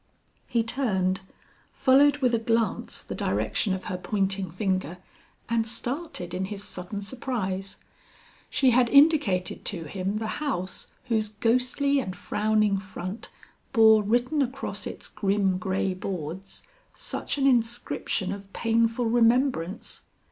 He turned, followed with a glance the direction of her pointing finger and started in his sudden surprise. She had indicated to him the house whose ghostly and frowning front bore written across its grim gray boards, such an inscription of painful remembrance.